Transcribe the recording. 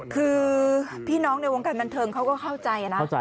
คือพี่น้องในวงการบันเทิงเขาก็เข้าใจนะ